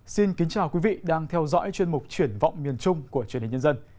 xin kính chào quý vị đang theo dõi chuyên mục triển vọng miền trung của truyền hình nhân dân